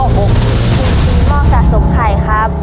คุณตีม่อสะสมขายครับ